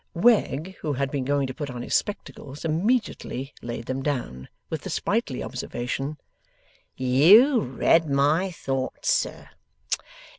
Wegg, who had been going to put on his spectacles, immediately laid them down, with the sprightly observation: 'You read my thoughts, sir.